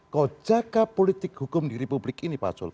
kau jaga politik hukum di republik ini pak zul